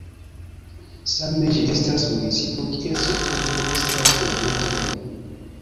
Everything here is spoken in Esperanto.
Same ĝi estas municipo kies ĉefurbo estas Oviedo mem.